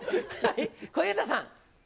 小遊三さん。